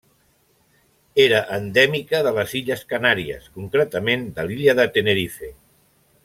Era endèmica de les illes Canàries, concretament de l'illa de Tenerife.